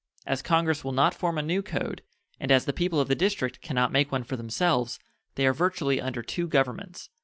As Congress will not form a new code, and as the people of the District can not make one for themselves, they are virtually under two governments.